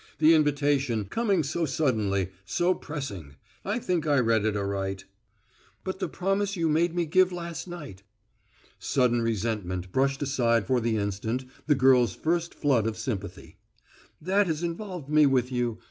"The invitation, coming so suddenly so pressing I think I read it aright." "But the promise you made me give last night!" Sudden resentment brushed aside for the instant the girl's first flood of sympathy. "That has involved me with you.